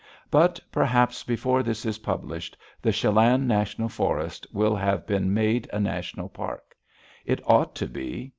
But perhaps before this is published, the Chelan National Forest will have been made a National Park. It ought to be.